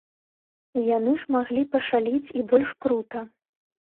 Яны ж маглі пашаліць і больш крута.